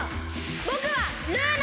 ぼくはルーナ！